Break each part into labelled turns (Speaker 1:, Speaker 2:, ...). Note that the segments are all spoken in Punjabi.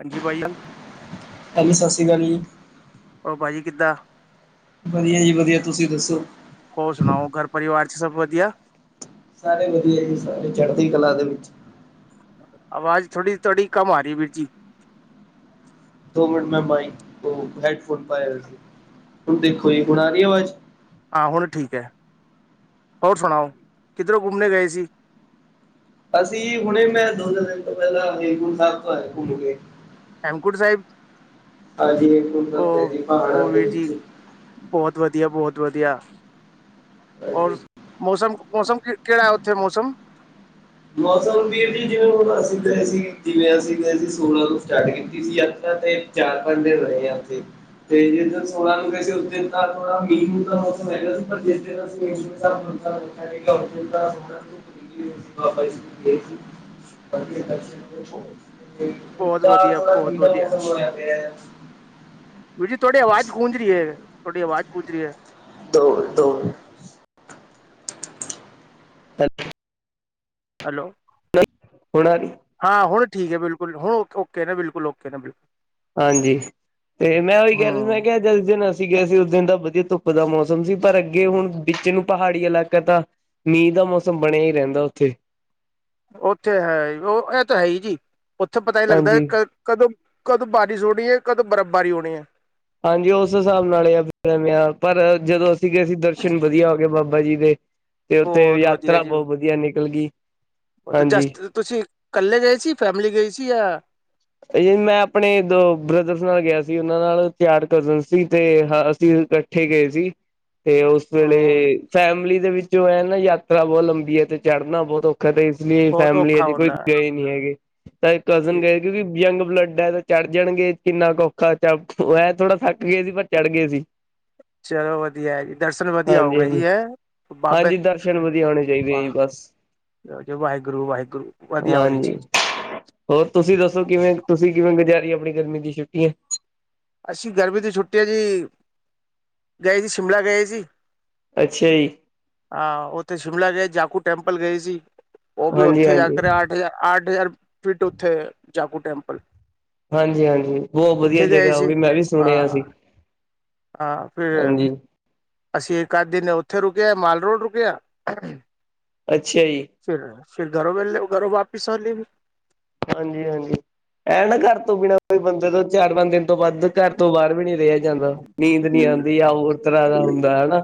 Speaker 1: ਹਾਂਜੀ ਭਾ ਜੀ।
Speaker 2: ਹਾਂਜੀ ਸਤਿ ਸ਼੍ਰੀ ਅਕਾਲ ਜੀ।
Speaker 1: ਹੋਰ ਭਾਜੀ ਕਿੱਦਾ?
Speaker 2: ਵਧੀਆ ਜੀ ਵਧੀਆ, ਤੁਸੀਂ ਦੱਸੋ।
Speaker 1: ਹੋਰ ਸੁਣਾਓ ਘਰ ਪਰਿਵਾਰ ਚ ਸਭ ਵਧੀਆ।
Speaker 2: ਸਾਰੇ ਵਧੀਆ ਜੀ ਸਾਰੇ ਚੜਦੀ ਕਲਾ ਦੇ ਵਿੱਚ।
Speaker 1: ਆਵਾਜ ਥੋੜੀ ਤੁਆਡੀ ਕਮ ਆ ਰਈ ਏ, ਵੀਰ ਜੀ।
Speaker 2: ਦੋ ਮਿੰਟ ਮੈਂ ਮਾਈਕ ਹੈਡਫੋਨ ਪਾਏ ਹੋਏ ਸੀ, ਹੁਣ ਦੇਖੋ ਜੀ, ਹੁਣ ਆ ਰੀ ਐ ਆਵਾਜ?
Speaker 1: ਹਾਂ ਹੁਣ ਠੀਕ ਐ, ਹੋਰ ਸੁਣਾਓ, ਕਿੱਧਰੋਂ ਘੁੰਮਣੇ ਗਏ ਸੀ?
Speaker 2: ਅਸੀ ਹੁਣੇ ਮੈਂ ਦੋ ਦੋਨ ਦਿਨ ਤੋਂ ਪੈਲਾਂ ਹੇਮਕੁੰਟ ਸਾਹਿਬ ਤੋਂ ਆਏਆ ਘੁੰਮ ਕੇ।
Speaker 1: ਹੇਮਕੂੰਟ ਸਾਹਿਬ
Speaker 2: ਹਾਂਜੀ ਹੇਮਕੁੰਟ ਸਾਹਿਬ ਗਏ
Speaker 1: ਉਹ
Speaker 2: ਜੀ,
Speaker 1: ਉਹ
Speaker 2: ਪਹਾੜਾਂ ਦੇ
Speaker 1: ਵੀਰ ਜੀ
Speaker 2: ਵਿੱਚ।
Speaker 1: ਬਹੁਤ ਵਧੀਆ, ਬਹੁਤ ਵਧੀਆ, ਔਰ
Speaker 2: ਹਾਂਜੀ
Speaker 1: ਮੌਸਮ, ਮੌਸਮ ਕੈੜਾ ਐ ੳਥੇ ਮੌਸਮ?
Speaker 2: ਮੌਸਮ ਵੀਰ ਜੀ ਜਿਵੇਂ ਹੁਣ ਅਸੀਂ ਗਏ ਸੀ, ਜਿਵੇਂ ਅਸੀਂ ਗਏ ਸੀ, ਸੋਲਾਂ ਤੋਂ ਸਟਾਰਟ ਕੀਤੀ ਸੀ ਯਾਤਰਾ ਤੇ ਚਾਰ, ਪੰਜ ਦਿਨ ਰਏ ਆ ੳਥੇ। ਤੇ ਜਿਸ ਦਿਨ ਸੋਲਾਂ ਨੂੰ ਗਏ ਸੀ ੳਸ ਦਿਨ ਤਾਂ ਥੋੜਾ ਮੀਹ-ਮੂ ਦਾ ਮੌਸਮ ਹੈਗਾ ਸੀ, ਪਰ ਜਿਸ ਦਿਨ ਅਸੀ ਹੇਮਕੁੰਟ ਸਾਹਿਬ ਏਕ ਹਫਤੇ ਦਾ ਟੂਰ ਐ।
Speaker 1: [inaudible]
Speaker 2: [unintelligible] ਹੁਨ
Speaker 1: ਬਹੁਤ
Speaker 2: ਤਾ
Speaker 1: ਵਧੀਆ
Speaker 2: ਥੋੜਾ
Speaker 1: ਬਹੁਤ
Speaker 2: ਠੰਡਾ
Speaker 1: ਵਧੀਆ
Speaker 2: ਮੋਸਮ ਹੋਆ ਪੇਆ।
Speaker 1: ਵੀਰ ਜੀ ਤੁਆਡੀ ਆਵਾਜ ਗੂੰਜ ਰੀ ਏ, ਤੁਆਡੀ ਆਵਾਜ ਗੂੰਜ ਰੀ ਏ।
Speaker 2: ਦੋ, ਦੋ [inaudible]
Speaker 1: ਹੈਲੋ
Speaker 2: ਹੁਣ ਆ ਰੀ
Speaker 1: ਹਾਂ ਹੁਣ ਠੀਕ ਏ ਬਿਲਕੁਲ ਹੁਣ ਓਕੇ ਨੇ ਬਿਲਕੁਲ ਓਕੇ ਨੇ ਬਿਲਕੁਲ
Speaker 2: ਹਾਂਜੀ ਤੇ ਮੈਂ ੳਈ ਕੈ ਰੇਆ ਸਾਂ
Speaker 1: ਹਮ
Speaker 2: ਕੇ ਜਿਸ ਦਿਨ ਅਸੀ ਗਏ ਸੀ ੳਸ ਦਿਨ ਤਾਂ ਵਧੀਆ ਧੁੱਪ ਦਾ ਮੌਸਮ ਸੀ, ਪਰ ਅੱਗੇ ਹੁਣ ਵਿੱਚ ਨੂੰ ਪਹਾੜੀ ਇਲਾਕਾ ਤਾਂ ਮੀਂਹ ਦਾ ਮੌੌਸਮ ਬਨੇਆ ਈ ਰੈਂਦਾ ੳਥੇ।
Speaker 1: ੳਥੇ ਹੈ ੳ ਐ ਤਾਂ ਹੈ ਈ ਜੀ। ੳਥੇ ਪਤਾ ਨੀ ਲੱਗਦਾ
Speaker 2: ਹਾਂਜੀ
Speaker 1: ਕਦੋਂ ਕਦੋਂ ਬਾਰਿਸ਼ ਹੋਨੀ ਏ ਕਦੋਂ ਬਰਫ਼ਬਾਰੀ ਹੋਨੀ ਏ।
Speaker 2: ਹਾਂਜੀ ੳਸ ਹਿਸਾਬ ਨਾਲ ਏ ਆ ਫੇਰ ਆ ਪਰ ਜਦੋਂ ਅਸੀ ਗਏ ਸੀ, ਦਰਸ਼ਨ ਵਧੀਆ ਹੋ ਗਏ ਬਾਬਾ ਜੀ ਦੇ। ਤੇ ੳਥੇ
Speaker 1: ਬਹੁਤ
Speaker 2: ਯਾਤਰਾ ਬੋਤ ਵਧੀਆ ਨਿਕਲ ਡੀ।
Speaker 1: ੳਹ ਤੇ ਜੇਸ ਤਰ ਤੁਸੀ ਕੱਲੇ ਗਏ ਸੀ, ਫੈਮਿਲੀ ਗਈ ਸੀ ਯਾ
Speaker 2: ਮੈਂ ਅਪਨੇ ਦੋ ਬ੍ਰਦਰਸ ਨਾਲ ਗਿਆ ਸੀ ੳਨਾ ਨਾਲ ਚਾਰ ਕਜਨ ਸੀ ਤੇ ਅਸੀ ਕ ਕਿੱਥੇ ਗਏ ਸੀ ਤੇ ਉਸ ਵੇਲੇ
Speaker 1: ਉਹ
Speaker 2: ਫੈਮਿਲੀ ਦੇ ਵਿੱਚੋਂ ਹੈ ਨਾ ਯਾਤਰਾ ਬਹੁਤ ਲੰਬੀ ਹੈ ਤੇ ਚੜ੍ਹਨਾ ਬਹੁਤ ਔਖਾ ਤਾਂ ਇਸ ਲਈ
Speaker 1: ਬਹੁਤ
Speaker 2: ਫੈਮਿਲੀ ਹੈ
Speaker 1: ਔਖਾ
Speaker 2: ਜੇ ਕੋਈ
Speaker 1: ਹੁੰਦਾ
Speaker 2: ਗਏ ਨੀ ਹੈਗੇ ਤਾਂ ਕਜ਼ਨ
Speaker 1: ਠੀਕ
Speaker 2: ਗਏ ਕਿਉਂਕਿ ਯੰਗ ਬਲੱਡ ਹੈ ਤੇ ਚੜ੍ਹ ਜਾਣਗੇ ਕਿੰਨਾ ਔਖਾ ਥੋੜਾ ਥੱਕ ਗਏ ਸੀ ਪਰ ਚੜ੍ਹ ਗਏ ਸੀ
Speaker 1: ਚਲੋ ਵਧੀਆ ਹੈ ਜੀ ਦਰਸ਼ਨ ਵਧੀਆ ਹੋ
Speaker 2: ਹਾਂਜੀ
Speaker 1: ਗਏ ਜੀ
Speaker 2: ਹਾਂਜੀ
Speaker 1: ਹੈਂ ਬਾਬੇ
Speaker 2: ਹਾਂਜੀ ਦਰਸ਼ਨ ਵਧੀਆ ਹੋਣੇ ਚਾਹੀਦੇ ਜੀ ਬਸ
Speaker 1: ਵਾਹ ਵਾਹਿਗੁਰੂ ਵਾਹਿਗੁਰੂ ਵਧੀਆ ਹੋ ਰਹੇ
Speaker 2: ਹਾਂਜੀ
Speaker 1: ਜੀ
Speaker 2: ਹੋਰ ਤੁਸੀਂ ਦੱਸੋ ਕਿਵੇਂ ਤੁਸੀਂ ਕਿਵੇਂ ਗੁਜ਼ਾਰੀ ਆਪਣੀ ਗਰਮੀ ਦੀ ਛੁੱਟੀਆਂ
Speaker 1: ਅਸੀਂ ਗਰਮੀ ਦੀ ਛੁੱਟੀ ਹੈ ਜੀ ਗਏ ਸੀ ਸ਼ਿਮਲਾ ਗਏ ਸੀ
Speaker 2: ਅੱਛਾ ਜੀ
Speaker 1: ਹਾਂ ਉੱਥੇ ਸ਼ਿਮਲਾ ਗਏ ਜਾਕੂ ਟੈਂਪਲ ਗਏ ਸੀ ਉਹ ਵੀ
Speaker 2: ਹਾਂਜੀ
Speaker 1: ਉੱਥੇ ਜਾ
Speaker 2: ਹਾਂਜੀ
Speaker 1: ਕੇ ਆ ਆਠ ਹਜ਼ਾਰ ਫੀਟ ਉੱਥੇ ਜਾਕੂ ਟੈਂਪਲ
Speaker 2: ਹਾਂਜੀ ਹਾਂਜੀ ਬਹੁਤ ਵਧੀਆ
Speaker 1: ਉੱਥੇ ਗਏ
Speaker 2: ਜਗ੍ਹਾ ਉਹ
Speaker 1: ਸੀ
Speaker 2: ਵੀ ਮੈਂ ਵੀ ਸੁਣਿਆ ਸੀ
Speaker 1: ਹਾਂ ਹਾਂ ਫਿਰ
Speaker 2: ਹਾਂਜੀ।
Speaker 1: ਅਸੀਂ ਇੱਕ ਅੱਧ ਦਿਨ ਉੱਥੇ ਰੁਕੇ ਆ ਮਾਲ ਰੋਡ ਰੁਕੇ ਆ
Speaker 2: ਅੱਛਾ ਜੀ
Speaker 1: ਫਿਰ ਫਿਰ ਘਰੋਂ ਵੇਲੇ ਘਰੋਂ ਵਾਪਿਸ ਆ ਲਈ
Speaker 2: ਹਾਂਜੀ ਹਾਂਜੀ ਇਹ ਨਾ ਘਰ ਤੋਂ ਬਿਨਾਂ ਕੋਈ ਬੰਦੇ ਤੋਂ ਚਾਰ ਪੰਜ ਦਿਨ ਤੋਂ ਬਾਦ ਘਰ ਤੋਂ ਬਾਹਰ ਵੀ ਨੀ ਰਿਹਾ ਜਾਂਦਾ ਨੀਂਦ ਨਹੀਂ ਆਉਂਦੀ ਯਾ ਹੋਰ ਤਰ੍ਹਾਂ ਦਾ ਹੁੰਦਾ ਹਨਾ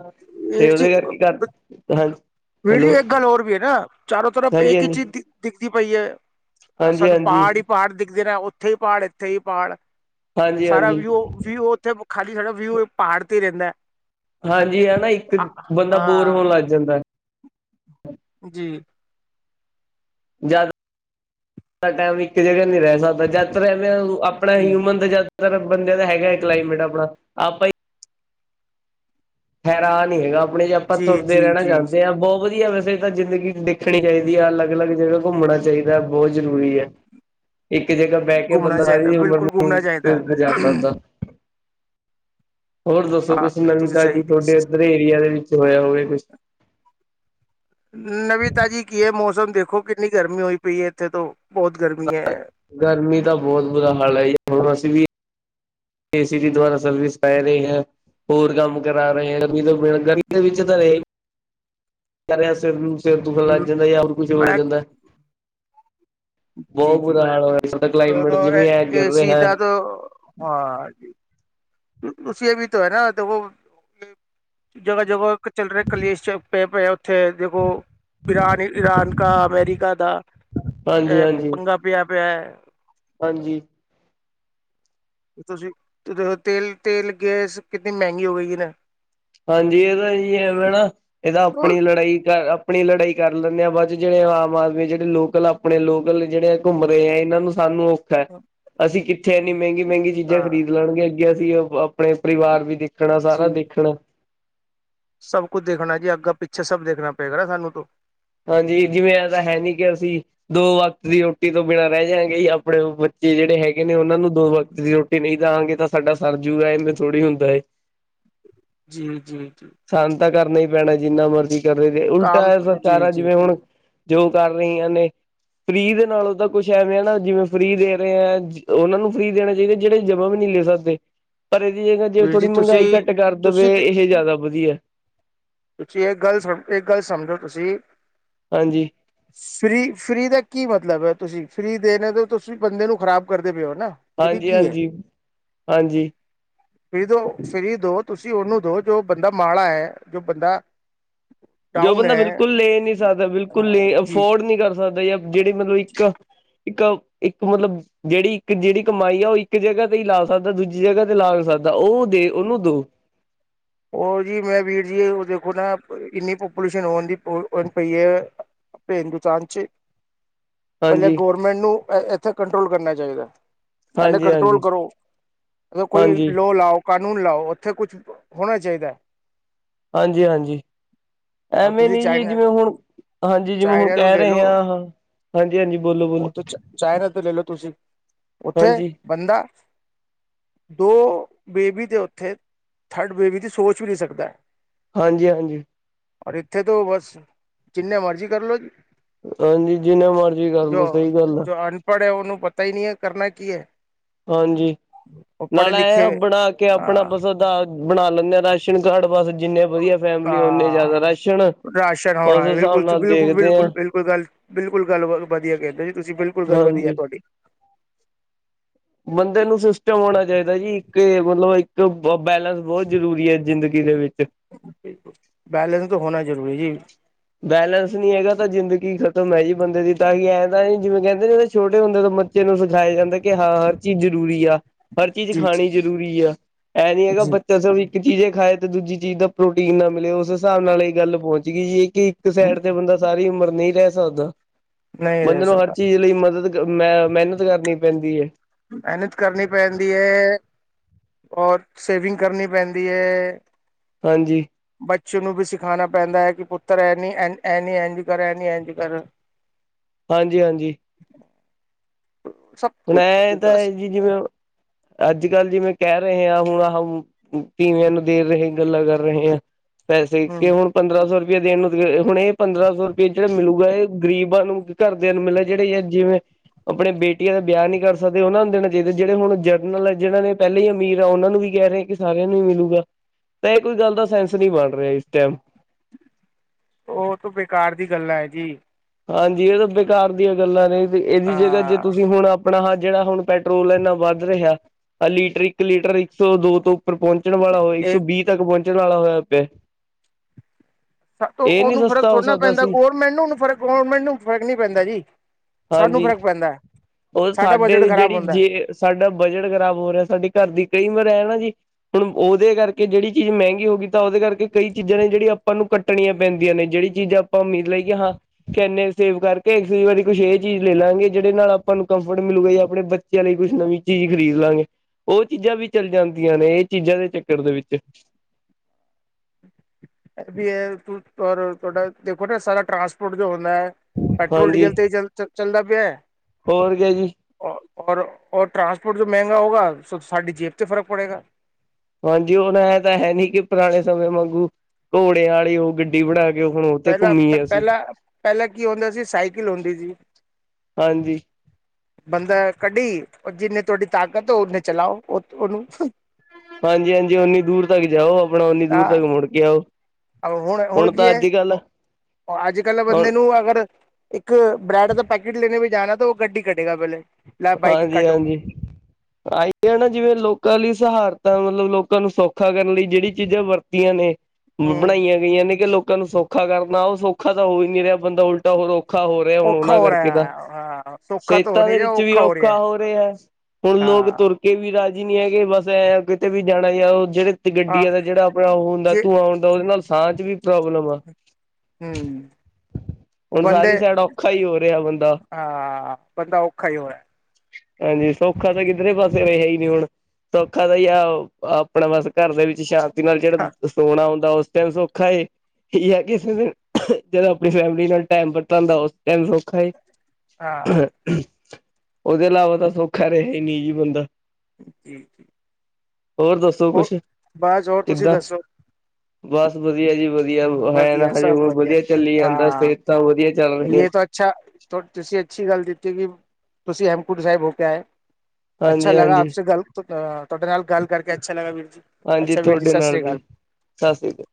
Speaker 2: ਤੇ ਉਹਦੇ ਕਰਕੇ ਘਰ ਹਾਂਜੀ
Speaker 1: ਵੀੇਰ ਜੀ
Speaker 2: ਹੈਲੋ
Speaker 1: ਇੱਕ ਗੱਲ ਹੋਰ ਵੀ ਹੈ ਨਾ ਚਾਰੋ ਤਰਫ ਇੱਕ ਹੀ
Speaker 2: ਹਾਂਜੀ-ਹਾਂਜੀ,
Speaker 1: ਚੀਜ਼ ਦਿਖਦੀ ਪਈ ਹੈ ਸਾਨੂੰ
Speaker 2: ਹਾਂਜੀ-ਹਾਂਜੀ,
Speaker 1: ਪਹਾੜ ਹੀ ਪਹਾੜ ਦਿਖਦੇ ਨੇ ਉੱਥੇ ਹੀ ਪਹਾੜ ਇੱਥੇ ਹੀ ਪਹਾੜ ਸਾਰਾ
Speaker 2: ਹਾਂਜੀ-ਹਾਂਜੀ।
Speaker 1: ਵਿਊ ਵਿਊ ਉੱਥੇ ਖਾਲੀ ਸਾਡਾ ਵਿਊ ਪਹਾੜ ਤੇ ਹੀ ਰਹਿੰਦਾ ਹੈ
Speaker 2: ਹਾਂਜੀ ਹੈਨਾ ਇੱਕ ਬੰਦਾ ਬੋਰ
Speaker 1: ਹਾਂ
Speaker 2: ਹੋਣ ਲੱਗ ਜਾਂਦਾ
Speaker 1: ਜੀ
Speaker 2: ਜ਼ਦ ਤਾਂ ਟਾਈਮ ਇੱਕ ਜਗ੍ਹਾ ਨਹੀਂ ਰਹਿ ਸਕਦਾ ਜਦ ਐਵੇਂ ਆਪਣਾ
Speaker 1: ਜੀ
Speaker 2: ਹਿਊਮਨ ਦਾ ਜਦ ਬੰਦਿਆਂ ਦਾ ਹੈਗਾ ਹੈ ਕਲਾਈਮੇਟ ਆਪਣਾ ਆਪਾਂ ਹੀ ਹੈਰਾਨ ਨੀ ਹੈਗਾ ਆਪਣੇ ਜੇ ਆਪਾਂ
Speaker 1: ਜੀ
Speaker 2: ਤੁਰਦੇ
Speaker 1: ਜੀ
Speaker 2: ਰਹਿਣਾ
Speaker 1: ਜੀ
Speaker 2: ਚਾਹਦੇ
Speaker 1: ਜੀ
Speaker 2: ਹਾਂ ਬਹੁਤ ਵਧੀਆ ਵੈਸੇ ਤਾਂ ਜ਼ਿੰਦਗੀ ਦੇਖਣੀ ਚਾਹੀਦੀ ਆ ਅਲੱਗ ਅਲੱਗ ਜਗ੍ਹਾ ਘੁੰਮਣਾ ਚਾਹੀਦਾ ਬਹੁਤ ਜ਼ਰੂਰੀ ਹੈ ਇੱਕ ਜਗ੍ਹਾ ਬਹਿ ਕੇ
Speaker 1: ਘੁੰਮਣਾ
Speaker 2: ਬੰਦਾ
Speaker 1: ਚਾਹੀਦਾ
Speaker 2: ਸਾਰੀ ਉਮਰ
Speaker 1: ਬਿਲਕੁਲ
Speaker 2: ਨਹੀਂ
Speaker 1: ਘੁੰਮਣਾ ਚਾਹੀਦਾ
Speaker 2: ਗੁਜਾਰ ਸਕਦਾ ਹੋਰ ਦੱਸੋ ਕੁਛ
Speaker 1: ਹਾਂ
Speaker 2: ਨਵੀਂ
Speaker 1: ਤੁਸੀਂ ਸਹੀ
Speaker 2: ਤਾਜੀ ਤੁਹਾਡੇ ਉੱਧਰ ਏਰੀਆ ਦੇ ਵਿੱਚ ਹੋਇਆ ਹੋਵੇ ਕੁਛ
Speaker 1: ਨਵੀ ਤਾਜ਼ੀ ਕੀ ਹੈ ਮੌਸਮ ਦੇਖੋ ਕਿੰਨੀ ਗਰਮੀ ਹੋਈ ਪਈ ਹੈ ਇੱਥੇ ਤੋਂ ਬਹੁਤ ਗਰਮੀ ਹੈ
Speaker 2: ਗਰਮੀ ਤਾਂ ਬਹੁਤ ਬੁਰਾ ਹਾਲ ਹੈ ਜੀ ਹੁਣ ਅਸੀਂ ਵੀ ਏਸੀ ਦੀ ਦੁਆਰਾ ਸਰਵਿਸ ਕਰਾਈ ਨਹੀ ਹੈ ਹੋਰ ਕੰਮ ਕਰਾ ਰਹੇ ਹਾਂ ਗਰਮੀ ਤੋਂ ਬਿਨਾਂ ਦੇ ਵਿੱਚ ਤਾਂ ਰਹੇ ਕਰ ਰਿਹਾ ਸਿਰ ਸਿਰ ਦੁਖਣ ਲੱਗ ਜਾਂਦਾ ਜਾਂ ਹੋਰ ਕੁਛ ਹੋਨ ਲੱਗ
Speaker 1: ਮੈਂ
Speaker 2: ਜਾਂਦਾ
Speaker 1: [unintelligible] ਜੀ
Speaker 2: ਬਹੁਤ
Speaker 1: ਜੀ
Speaker 2: ਬੁਰਾ ਹਾਲ ਹੋਇਆ ਸਾਡਾ ਕਲਾਈਮੇਟ ਜਿਵੇਂ ਐ
Speaker 1: ਉਹ
Speaker 2: ਗਿਰ
Speaker 1: ਏਸੀ
Speaker 2: ਰਿਹਾ
Speaker 1: ਦਾ ਤੋ ਹਾਂ ਉਸੇ ਵੀ ਤਾਂ ਹੈ ਨਾ ਦੇਖੋ ਜਗ੍ਹਾ ਜਗਾ ਚੱਲ ਰਹੇ ਕਲੇਸ਼ ਚੱਕ ਪਏ ਉੱਥੇ ਦੇਖੋ ਈਰਾਨ ਈਰਾਨ ਕ ਅਮੇਰੀਕਾ ਦਾ
Speaker 2: ਹਾਂਜੀ
Speaker 1: ਇਹ
Speaker 2: ਹਾਂਜੀ
Speaker 1: ਪੰਗਾ ਪਿਆ ਪਿਆ
Speaker 2: ਹਾਂਜੀ
Speaker 1: ਤੁਸੀਂ ਤੇਲ ਤੇਲ ਗੈਸ ਕਿੰਨੀ ਮਹਿੰਗੀ ਹੋ ਗਈ ਇਹ ਨਾ
Speaker 2: ਹਾਂਜੀ ਇਦਾ ਏਈ ਕੰਮ ਆ ਨਾ ਇਹਦਾ ਆਪਣੀ ਲੜਾਈ ਕਰ ਅਪ ਆਪਣੀ ਲੜਾਈ ਕਰ ਲੈਂਣੇ ਆ ਬਾਅਦ ਜੇੜੇ ਆਮ ਆਦਮੀ ਜੇੜੇ ਲੋਕਲ ਆਪਣੇ ਲੋਕਲ ਜੇੜੇ ਕੁੰਮ ਰਏ ਐ ਏਨਾਂ ਨੂੰ ਸਾਨੂੰ ਅਸੀਂ ਕਿੱਥੇ ਇੰਨੀ ਮੈੰਗੀ-ਮੈੰਗੀ ਚੀਜ਼ਾਂ ਖਰੀਦ ਲੈਣਗੇ ਅੱਗੇ ਅਸੀਂ ਅ ਆਪਣੇ ਪਰਿਵਾਰ
Speaker 1: ਹਾਂ
Speaker 2: ਵੀ ਦੇਖਣਾ ਸਾਰਾ
Speaker 1: ਜੀ
Speaker 2: ਦੇਖਣਾ।
Speaker 1: ਸਭ ਕੁੱਝ ਦੇਖਣਾ ਜੀ ਅੱਗੇ-ਪਿੱਛੇ ਸਭ ਦੇਖਣਾ ਪਏਗਾ ਨਾ ਸਾਨੂੰ ਤੋ
Speaker 2: ਹਾਂਜੀ ਜਿਵੇਂ ਐ ਤਾਂ ਹੈ ਨੀ ਕਿ ਅਸੀਂ ਦੋ ਵਕਤ ਦੀ ਰੋਟੀ ਤੋਂ ਬਿਨਾਂ ਰੈ ਜਾਂਗੇ ਆਪਣੇ ਓ ਬੱਚੇ ਜੇੜੇ ਹੈਗੇ ਨੇ ਓਨਾਂ ਨੂੰ ਦੋ ਵਕਤ ਦੀ ਰੋਟੀ ਨਈ ਦਾਂਗੇ ਤਾਂ ਸਾਡਾ ਸਰਜੂ ਐਵੇ ਥੋੜੀ ਹੁੰਦਾ ਏ।
Speaker 1: ਜੀ-ਜੀ-ਜੀ।
Speaker 2: ਸਾਨੂੰ ਤਾਂ ਕਰਨਾ ਹੀ ਪੈਣਾ ਜਿੰਨਾ ਮਰਜ਼ੀ ਕਰੋ ਉਲਟਾ
Speaker 1: ਕਾਮ
Speaker 2: ਐ
Speaker 1: ਜੀ
Speaker 2: ਸਰਕਾਰਾਂ
Speaker 1: ਜੀ
Speaker 2: ਜਿਵੇਂ ਹੁਣ ਜੋ ਕਰ ਰਈਆਂ ਨੇ ਫ੍ਰੀ ਦੇ ਨਾਲੋਂ ਤਾਂ ਕੁਛ ਐਵੇਂ ਆ ਨਾ ਜਿਵੇਂ ਫ੍ਰੀ ਦੇ ਰੇ ਆ ਓਨਾਂ ਨੂੰ ਫ੍ਰੀ ਦੇਣਾ ਚਾਇਦਾ ਜੇੜੇ ਜਮਾ ਵੀ ਨੀ ਲੇ ਸਕਦੇ ਪਰ ਏਦੀ ਜਗ੍ਹਾ ਜੇ
Speaker 1: ਵੀਰ ਜੀ
Speaker 2: ਥੋੜ੍ਹੀ ਮਹਿੰਗਾਈ
Speaker 1: ਤੁਸੀਂ
Speaker 2: ਕੱਟ ਕਰ
Speaker 1: ਤੁਸੀਂ
Speaker 2: ਦੇਵੇ
Speaker 1: ਤੇ
Speaker 2: ਇਹ ਜ਼ਿਆਦਾ ਵਧੀਆ।
Speaker 1: ਤੁਸੀਂ ਏਕ ਗੱਲ ਸਮ ਏਕ ਗੱਲ ਸਮਝੋ ਤੁਸੀਂ
Speaker 2: ਹਾਂਜੀ।
Speaker 1: ਫ੍ਰੀ-ਫ੍ਰੀ ਦਾ ਕੀ ਮਤਲਬ ਏ ਤੁਸੀਂ ਫ੍ਰੀ ਦੇਣ ਦੇ ਤੁਸੀਂ ਬੰਦੇ ਨੂੰ ਖ਼ਰਾਬ ਕਰਦੇ ਪਏ ਓ ਨਾ। ਫ੍ਰੀ ਕੀ ਹੈ
Speaker 2: ਹਾਂਜੀ-ਹਾਂਜੀ-ਹਾਂਜੀ।
Speaker 1: ਫ੍ਰੀ ਦੋ ਫ੍ਰੀ ਦੋ ਤੁਸੀਂ ਓਨੂੰ ਦੋ ਜੋ ਬੰਦਾ ਮਾੜਾ ਐ ਜੋ ਬੰਦਾ
Speaker 2: ਜੋ
Speaker 1: ਡਾਊਨ
Speaker 2: ਬੰਦਾ
Speaker 1: ਹੈ
Speaker 2: ਬਿਲਕੁਲ ਲੇ ਨੀ ਸਕਦਾ
Speaker 1: ਹਾਂ
Speaker 2: ਬਿਲਕੁਲ ਲੇ
Speaker 1: ਜੀ
Speaker 2: ਅਫੋਰਡ ਨੀ ਕਰ ਸਕਦਾ ਯਾਂ ਜੇੜੀ ਮਤਲਬ ਇੱਕ ਇੱਕ-ਇੱਕ ਮਤਲਬ ਜੇੜੀ ਇੱਕ ਜੇੜੀ ਕਮਾਈ ਆ ਓ ਇੱਕ ਜਗ੍ਹਾ ਤੇ ਈ ਲਾ ਸਕਦਾ ਦੂਜੀ ਜਗ੍ਹਾ ਤੇ ਲਾ ਨੀ ਸਕਦਾ ਓ ਤੇ ਓਨੂੰ ਦੋ।
Speaker 1: ਓ ਜੀ ਮੈਂ ਵੀਰ ਜੀ ਓ ਦੇਖੋ ਨਾ ਇੰਨੀ ਪਪੂਲੇਸ਼ਨ ਹੋਣ ਦੀੋ ਪ ਪਈ ਐ ਅਪਣੇ ਹਿੰਦੁਸਾਨ ਚ ਪੈਲੇ
Speaker 2: ਹਾਂਜੀ
Speaker 1: ਗੌਰਮੈਂਟ ਨੂੰ ਐਥੇ ਕੰਟਰੋਲ ਕਰਨਾ ਚਾਇਦਾ। ਪੈਲੇ
Speaker 2: ਹਾਂਜੀ
Speaker 1: ਕੰਟਰੋਲ
Speaker 2: ਹਾਂਜੀ
Speaker 1: ਕਰੋ ਅਗਰ ਕੋਈ
Speaker 2: ਹਾਂਜੀ,
Speaker 1: ਲੋਅ ਲਾਓ ਕਾਨੂੰਨ ਲਾਓ ਓਥੇ ਕੁਛ ਹੋਣਾ ਚਾਇਦੈ।
Speaker 2: ਹਾਂਜੀ-ਹਾਂਜੀ ਐਵੇਂ
Speaker 1: ਤੁਸੀਂ
Speaker 2: ਨੀ ਜੀ
Speaker 1: ਚਾਈਨਾ
Speaker 2: ਜਿਵੇਂ ਹੁਣ ਹਾਂਜੀ ਜਿਵੇਂ ਹੁਣ ਕੈ ਰੇ ਆਹ
Speaker 1: ਓ ਓਥੇ ਚ ਚਾਰ ਹਫਤੇ ਲੇਲੋ ਤੁਸੀਂ ਓਥੇ
Speaker 2: ਹਾਂਜੀ,
Speaker 1: ਬੰਦਾ ਦੋ ਬੇਬੀ ਦੇ ਓਥੇ ਥਰਡ ਵੇਵੀ ਦੀ ਸੋਚ ਵੀ ਨੀ ਸਕਦਾ ਐ।
Speaker 2: ਹਾਂਜੀ-ਹਾਂਜੀ।
Speaker 1: ਔਰ ਇੱਥੇ ਤ ਬਸ ਜਿੰਨੇ ਮਰਜ਼ੀ ਕਰਲੋ ਜੀ।
Speaker 2: ਹਾਂਜੀ ਜਿੰਨਾ ਮਰਜ਼ੀ ਕਰ ਲੋ ਸਈ ਗੱਲ ਐ।
Speaker 1: ਪੜ੍ਹਿਆ ਓਨੂੰ ਪਤਾ ਈ ਨੀ ਐ ਕਰਨਾ ਕੀ ਐ।
Speaker 2: ਹਾਂਜੀ ਨਾਲ ਐ
Speaker 1: ਲਿਖੇ
Speaker 2: ਬਣਾ ਕੇ ਆਪਣਾ ਬਸਦਾ ਬਣਾ ਲੈਂਦੇ ਆ ਰਾਸ਼ਨ ਕਾਰਡ ਬਸ ਜਿੰਨੇ ਵਧੀਆ ਫੈਮਿਲੀ ਓਨੇ
Speaker 1: ਅ
Speaker 2: ਜਾਦਾ ਰਾਸ਼ਨ
Speaker 1: ਰਾਸ਼ਨ
Speaker 2: ਉਸ
Speaker 1: ਹਾਂ
Speaker 2: ਹਿਸਾਬ ਨਾਲ ਦੇਖਦੇ ਹਾਂ
Speaker 1: ਬਿਲਕੁਲ-ਬਿਲਕੁਲ-ਬਿਲਕੁਲ-ਬਿਲਕੁਲ ਗੱਲ ਬਿਲਕੁਲ ਗੱਲ ਵ ਵਧੀਆ ਕੈੰਦੇ ਜੀ ਤੁਸੀਂ ਬਿਲਕੁਲ ਗੱਲ ਵਧੀਆ
Speaker 2: ਹਾਂਜੀ
Speaker 1: ਤੁਆਡੀ।
Speaker 2: ਬੰਦੇ ਨੂੰ ਸਿਸਟਮ ਹੋਣਾ ਚਾਇਦਾ ਜੀ ਇੱਕ ਮਤਲਬ ਇੱਕ ਬੈਲੈਂਸ ਬੋਤ ਜ਼ਰੂਰੀ ਐ ਜ਼ਿੰਦਗੀ ਦੇ ਵਿੱਚ।
Speaker 1: ਬਿਲਕੁਲ ਬੈਲੈਂਸ ਤਾਂ ਹੋਣਾ ਜ਼ਰੂਰੀ ਜੀ।
Speaker 2: ਬੈਲੇੈਂਸ ਨੀ ਹੈਗਾ ਤਾਂ ਜ਼ਿੰਦਗੀ ਖ਼ਤਮ ਹੈ ਜੀ ਬੰਦੇ ਦੀ ਤਾਂਈ ਆਖਦਾ ਤਾਂ ਨੀ ਜਿਵੇਂ ਕੈੰਦੇ ਨੇ ਓ ਛੋਟੇ ਹੁੰਦੇ ਬੰਦੇ ਤੋਂ ਬੱਚੇ ਨੂੰ ਸਿਖਾਇਆ ਜਾਂਦਾ ਕਿ ਹਾਂ ਹਰ ਚੀਜ਼ ਜ਼ਰੂਰੀ ਆ ਹਰ ਚੀਜ਼
Speaker 1: ਜੀ ਜੀ
Speaker 2: ਖਾਣੀ ਜ਼ਰੂਰੀ ਹੈ ਇਹਂ ਨੀ ਹੈਗਾ
Speaker 1: ਜੀ
Speaker 2: ਬੱਚ [unintelligible] ਤੇ ਇੱਕ ਚੀਜ਼ ਏ ਖਾਏ ਤੇ ਦੂਜੀ ਚੀਜ਼ ਦਾ ਪ੍ਰੋਟੀਨ ਨਾ ਮਿਲੇ ਉਸ ਹਿਸਾਬ ਨਾਲ ਇਹ ਗੱਲ ਪਹੁੰਚ ਗਈ ਜੀ ਕਿ ਇੱਕ ਸਾਈਡ ਤੇ ਬੰਦਾ ਸਾਰੀ ਉਮਰ ਨਹੀਂ ਰਹਿ ਸਕਦਾ
Speaker 1: ਨਹੀਂ ਰਹਿ
Speaker 2: ਬੰਦੇ ਨੂੰ ਹਰ
Speaker 1: ਸਕਦਾ
Speaker 2: ਚੀਜ਼ ਲਈ ਮਦਦ ਮੈਂ ਮਿਹਨਤ ਕਰਨੀ ਪੈਂਦੀ ਐ
Speaker 1: ਮਿਹਨਤ ਕਰਨੀ ਪੈਂਦੀ ਹੈ ਔਰ ਸੇਵਿੰਗ ਕਰਨੀ ਪੈਂਦੀ ਹੈ
Speaker 2: ਹਾਂਜੀ
Speaker 1: ਬੱਚੇ ਨੂੰ ਵੀ ਸਿਖਾਉਣਾ ਪੈਂਦਾ ਹੈ ਕਿ ਪੁੱਤਰ ਐ ਨੀ ਐਂਜ ਐ ਨੀ ਐਂਜ ਕਰ ਐ ਨੀ ਐਂਜ ਕਰ
Speaker 2: ਹਾਂਜੀ ਹਾਂਜੀ
Speaker 1: ਸਭ
Speaker 2: ਹੁਣ
Speaker 1: ਕੁਛ
Speaker 2: ਐ ਤਾਂ
Speaker 1: ਦੱਸ
Speaker 2: ਇਹ ਜੀ ਜਿਵੇਂ ਅੱਜ ਕੱਲ੍ਹ ਜਿਵੇਂ ਕਹਿ ਰਹੇ ਹਾਂ ਹੁਣ ਆਹ [unintelligible] ਤੀਵਿਆਂ ਨੂੰ ਦੇ ਰਹੇ ਗੱਲਾਂ ਕਰ ਰਹੇ ਆਂ ਪੈਸੇ
Speaker 1: ਹਮ
Speaker 2: ਕਿ ਹੁਣ ਪੰਦਰਾਂ ਸੌ ਰੁਪਇਆ ਦੇਣ ਨੂੰ [unintelligible] ਹੁਣ ਇਹ ਪੰਦਰਾਂ ਸੌ ਰੁਪਇਆ ਜਿਹੜਾ ਮਿਲੂਗਾ ਇਹ ਗਰੀਬਾਂ ਨੂੰ‌ ਦੇ ਘਰਦਿਆਂ ਨੂੰ ਮਿਲਾ ਜਿਹੜੇ ਆ ਜਿਵੇਂ ਆਪਣੇ ਬੇਟੀਆਂ ਦਾ ਬਿਆਹ ਨੀ ਕਰ ਸਕਦੇ ਉਹਨਾਂ ਨੂੰ ਦੇਣਾ ਚਾਹੀਦਾ ਜਿਹੜੇ ਹੁਣ ਜਰਨਲ ਹੈ ਜਿਹਨਾਂ ਨੇ ਪਹਿਲਾਂ ਹੀ ਅਮੀਰ ਆ ਉਹਨਾਂ ਨੂੰ ਵੀ ਕਹਿ ਰਹੇ ਕਿ ਸਾਰਿਆਂ ਨੂੰ ਹੀ ਮਿਲੂਗਾ ਤਾਂ ਇਹ ਕੋਈ ਗੱਲ ਦਾ ਸੈਂਸ ਨਹੀਂ ਬਣ ਰਿਹਾ ਇਸ ਟਾਈਮ
Speaker 1: ਉਹ ਤੋਂ ਬੇਕਾਰ ਦੀ ਗੱਲਾਂ ਹੈ ਜੀ
Speaker 2: ਹਾਂਜੀ ਇਹ ਤਾਂ ਬੇਕਾਰ ਦੀਆਂ ਗੱਲਾਂ ਨੇ ਤੇ ਇਹਦੀ ਜਗ੍ਹਾ ਜੇ
Speaker 1: ਅਹ
Speaker 2: ਤੁਸੀਂ ਹੁਣ ਆਪ ਆਪਣਾ ਹਾਂ ਜਿਹੜਾ ਹੁਣ ਪੈਟਰੋਲ ਇੰਨਾ ਵੱਧ ਰਿਹਾ ਲੀਟਰ ਇੱਕ ਲੀਟਰ ਇੱਕ ਸੌ ਦੋ ਤੋਂ ਉੱਪਰ ਪਹੁੰਚਣ ਵਾਲਾ ਹੋ ਇੱਕ ਸੌ
Speaker 1: ਇਹ
Speaker 2: ਬੀਹ ਤੱਕ ਪਹੁੰਚਣ ਵਾਲਾ ਹੋਇਆ ਪਿਆ
Speaker 1: ਸ ਉਹ
Speaker 2: ਇਹ ਨੀ
Speaker 1: ਉਹਨੂੰ ਫ਼ਰਕ
Speaker 2: ਸਸਤਾ ਹੋ
Speaker 1: ਥੋੜ੍ਹਨਾ
Speaker 2: ਸਕਦਾ
Speaker 1: ਪੈਂਦਾ
Speaker 2: ਸੀ
Speaker 1: ਗੌਰਮੈਂਟ ਨੂੰਨੂੰ ਫਰਕ ਗੌਰਮੈਂਟ ਨੂੰ ਫਰਕ ਨੀ ਪੈਂਦਾ ਜੀ ਸਾਨੂੰ
Speaker 2: ਹਾਂਜੀ
Speaker 1: ਫ਼ਰਕ ਪੈਂਦਾ
Speaker 2: ਉਹ
Speaker 1: ਸਾਡਾ
Speaker 2: ਸਾਡੇ
Speaker 1: ਬਜਟ
Speaker 2: ਦੀ
Speaker 1: ਖ਼ਰਾਬ
Speaker 2: ਜਿਹੜੀ
Speaker 1: ਹੁੰਦਾ ਹੈ।
Speaker 2: ਜੇ ਸਾਡਾ ਬਜਟ ਖਰਾਬ ਹੋ ਰਿਹਾ ਸਾਡੀ ਘਰ ਦੀ ਕਈ ਉਮਰ ਹੈ ਨਾ ਜੀ ਹੁਣ ਉਹਦੇ ਕਰਕੇ ਜਿਹੜੀ ਚੀਜ਼ ਮਹਿੰਗੀ ਹੋ ਗਈ ਤਾਂ ਉਹਦੇ ਕਰ ਕੇ ਕਈ ਚੀਜ਼ਾਂ ਨੇ ਜਿਹੜੀ ਆਪਾਂ ਨੂੰ ਕੱ ਕਰਣੀਆਂ ਪੈਂਦੀਆਂ ਨੇ ਜਿਹੜੀ ਚੀਜ਼ਾਂ ਆਪਾਂ ਉਮੀਦ ਲਾਈ ਏ ਹਾਂ ਕਹਿਨੇ ਹਾਂ ਸੇਵ ਕਰਕੇ ਕੇਈ ਵਾਰੀ ਕੁੱਛ ਇਹ ਚੀਜ਼ ਲੈ ਲਵਾਂਗੇ ਜਿਹਦੇ ਨਾਲ ਆਪਾਂ ਨੂੰ ਕੰਫਰਟ ਮਿਲੂਗਾ ਜ ਆਪਣੇ ਬੱਚੇ ਬੱਚਿਆਂ ਲਈ ਕੁੱਛ ਨਵੀਂ ਚੀਜ਼ ਖਰੀਦ ਲਾਂਗੇ ਉਹ ਚੀਜ਼ਾਂ ਵੀ ਚੱਲ ਜਾਂਦੀਆਂ ਨੇ ਇਹ ਚੀਜ਼ਾਂ ਦੇ ਚੱਕਰ ਦੇ ਵਿੱਚ
Speaker 1: ਇਹ ਵੀ ਏ [unintelligible] ਤੁਹਾਡਾ ਦੇਖੋ ਨਾ ਸਾਰਾ ਟਰਾਂਸਪੋਰਟ ਜੋ ਹੁੰਦਾ ਹੈ ਪੈਟਰੋਲ
Speaker 2: ਹਾਂਜੀ
Speaker 1: ਡੀਜ਼ਲ ਤੇ ਚਲ ਚ ਚੱਲਦਾ ਪਿਆ ਹੈ
Speaker 2: ਹੋਰ ਕਿਆ ਜੀ
Speaker 1: ਔ ਔਰ ਔਰ ਟਰਾਂਸਪੋਰਟ ਜੋ ਮਹਿੰਗਾ ਹੋਗਾ ਸ ਸਾਡੀ ਜੇਬ ਚ ਫ਼ਰਕ ਪੜੇਗਾ
Speaker 2: ਹਾਂਜੀ ਉਹ ਨਾ ਇਹ ਤਾਂ ਹੈ ਨੀ ਕਿ ਪੁਰਾਣੇ ਸਮੇਂ ਮੰਗੂ ਘੋੜੇ ਵਾਲੇ ਹੋ ਗੱਡੀ ਬਣਾ ਕੇ ਹੁਣ ਉਥੇ
Speaker 1: ਪਹਿਲਾਂ
Speaker 2: ਘੁੰਮੀਏ ਅਸੀਂ
Speaker 1: ਪਹਿਲਾਂ ਪਹਿਲਾਂ ਕੀ ਹੁੰਦਾ ਸੀ ਸਾਈਕਲ ਹੁੰਦੀ ਸੀ
Speaker 2: ਹਾਂਜੀ
Speaker 1: ਬੰਦਾ ਕੱਢੀ ਉਹ ਜਿੰਹਨੇ ਤੁਹਾਡੀ ਤਾਕਤ ਹੈ ਓਨੇ ਚਲਾਓ ਉਤ ਉਹਨੂੰ
Speaker 2: ਹਾਂਜੀ ਹਾਂਜੀ ਓਹਨੀ ਦੂਰ ਤੱਕ ਜਾਓ ਆਪਣਾ ਓਨੀ ਦੂਰ
Speaker 1: ਹਾਂ
Speaker 2: ਤੱਕ ਮੁੜ ਕੇ ਆਓ ਹੁਣ ਤਾਂ ਅੱਜ ਕੱਲ
Speaker 1: ਅੱਜ ਕੱਲ੍ਹ ਬੰਦੇ
Speaker 2: ਹੁਣ
Speaker 1: ਨੂੰ ਅਗਰ ਇੱਕ ਬ੍ਰੈਡ ਦਾ ਪੈਕੇਟ ਲੈਣੇ ਵੀ ਜਾਣਾ ਤਾਂ ਉਹ ਗੱਡੀ ਕਡੇਗਾ ਪਹਿਲੇ ਲੈ ਬਾਈਕ
Speaker 2: ਹਾਂਜੀ
Speaker 1: ਕੱਢੋ
Speaker 2: ਹਾਂਜੀ ਆਈ ਉਹੀ ਐ ਨਾ ਜਿਵੇਂ ਲੋਕਾਂ ਲਈ ਸਹਾਰਤਾ ਮਤਲਬ ਲੋਕਾਂ ਨੂੰ ਸੌਖਾ ਕਰਨ ਲਈ ਜਿਹੜੀ ਚੀਜ਼ਾਂ ਵਰਤੀਆਂ ਨੇ
Speaker 1: ਹੂੰ
Speaker 2: ਬਣਾਈਆਂ ਗਈਆਂ ਨੇ ਕਿ ਲੋਕਾਂ ਨੂੰ ਸੌਖਾ ਕਰਨਾ ਉਹ ਸੌਖਾ ਤਾਂ ਹੋ ਹੀ ਨਹੀਂ ਰਿਹਾ ਬੰਦਾ ਉਲਟਾ ਹੋਰ ਔ ਖਾ ਹੋ ਰਿਹਾ ਹੁਣ
Speaker 1: ਔਖਾ
Speaker 2: ਉਹਨਾਂ
Speaker 1: ਹੋ
Speaker 2: ਕਰਕੇ ਤਾਂ
Speaker 1: ਰਿਹਾ ਹਾਂ ਸੌਖਾ ਤਾਂ ਹੋ
Speaker 2: ਸਿਹਤਾਂ
Speaker 1: ਨਹੀਂ
Speaker 2: ਦੇ
Speaker 1: ਰਿਹਾ
Speaker 2: ਵਿੱਚ ਵੀ ਔਖਾ ਹੋ ਰਿਹਾ ਹੈ ਹੁਣ ਲੋਕ
Speaker 1: ਹਾਂ
Speaker 2: ਤੁਰ ਕਿ ਵੀ ਰਾਜ਼ੀ ਨਹੀਂ ਹੈਗੇ ਬਸ ਐਂ ਕਿਤੇ ਵੀ ਜਾਣਾ ਜਾ ਉਹ ਜਿਹੜੇ, ਤੇ
Speaker 1: ਹਾਂ
Speaker 2: ਗੱਡੀਆਂ ਦਾ ਜਿਹੜਾ ਆਪਣਾ ਹੁੰਦਾ
Speaker 1: ਜੇ
Speaker 2: ਧੂੰਆਂ ਹੁੰਦਾ ਉਹਦੇ ਨਾਲ ਸਾਹ ਚ ਵੀ ਪ੍ਰੋਬਲਮ ਆ।
Speaker 1: ਹਮ ਉਹ
Speaker 2: ਹੁਣ
Speaker 1: ਬੰਦੇ
Speaker 2: ਸਾਰੀ ਸਾਈਡ ਔਖਾ ਹੀ ਹੋ ਰਿਹਾ ਬੰਦਾ।
Speaker 1: ਹਾਂ ਬੰਦਾ ਔਖਾ ਹੀ ਹੋਇ
Speaker 2: ਹਾਂਜੀ ਸੌਖਾ ਤਾਂ ਕਿੱਧਰੇ ਪਾਸੇ ਰਿਹਾ ਹੀ ਨੀ ਹੁਣ। ਸੌਖਾ ਤਾਂ ਹੀ ਆ ਆਪਣਾ ਬਸ ਘਰ ਦੇ ਵਿੱਚ ਸ਼ਾਂਤੀ ਨਾਲ
Speaker 1: ਰਿਹਾ
Speaker 2: ਜਿਹੜਾ ਸੋਣਾ ਹੁੰਦਾ ਉਸ, ਤੇਨੂ ਸੌਖਾ ਏ। ਇਹ ਹੈ ਕਿਸੇ ਦੇ ਜਦੋਂ ਆਪਣੀ ਫੈਮਿਲੀ ਨਾਲ ਟਾਈਮ ਵਰਤਾਦਾ ਉਸ ਟਾਈਮ ਸੌਖਾ ਏ।
Speaker 1: ਹਾਂ
Speaker 2: ਉਹਦੇ ਇਲਾਵਾ ਤਾਂ ਸੌਖਾ ਰਿਹਾ ਹੀ ਨਹੀਂ ਜੀ ਬੰਦਾ।
Speaker 1: ਠੀਕ ਐ।
Speaker 2: ਹੋਰ ਦੱਸੋ ਕੁਛ,
Speaker 1: ਬਸ ਹੋਰ ਤੁਸੀਂ
Speaker 2: ਕਿੱਦਾਂ,
Speaker 1: ਦੱਸੋ
Speaker 2: ਬਸ ਵਧੀਆ ਜੀ ਵਧੀਆ। ਵਧੀਆ ਹੈ ਨਾ ਹਜੇ ਉਹ ਵਧੀਆ ਚੱਲੀ ਜਾਂਦਾ ਸਿਹਤਾਂ ਵਧੀਆ ਚੱਲ ਰਹੀਆ।
Speaker 1: ਇਹ ਤਾਂ ਅੱਛਾ ਤੁਸੀਂ ਅੱਛੀ ਗੱਲ ਦਿੱਤੀ ਕਿ ਤੁਸੀਂ ਹੇਮਕੁੰਟ ਸਾਹਿਬ ਹੋ ਕੇ ਆਏ। ਅੱਛਾ
Speaker 2: ਹਾਂਜੀ
Speaker 1: ਲਗਾ
Speaker 2: ਹਾਂਜੀ
Speaker 1: ਆਪਸੇ ਗੱਲ ਤੁਹਾਡੇ ਨਾਲ ਗੱਲ ਕਰਕੇ ਅੱਛਾ ਲਗਾ ਵੀਰ ਜੀ।
Speaker 2: ਹਾਂਜੀ
Speaker 1: ਅੱਛਾ ਵੀਰ ਜੀ
Speaker 2: ਤੁਹਾਡੇ
Speaker 1: ਸਤਿ
Speaker 2: ਨਾਲ
Speaker 1: ਸ੍ਰੀ ਅਕਾਲ
Speaker 2: ਵੀ, ਸਤਿ ਸ਼੍ਰੀ ਅਕਾਲ।